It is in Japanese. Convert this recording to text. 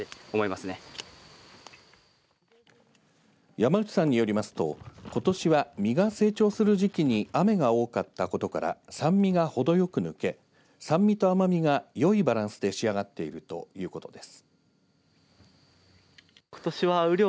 山内さんによりますと、ことしは実が成長する時期に雨が多かったことから酸味がほどよく抜け酸味と甘みが、よいバランスで仕上がっているということです。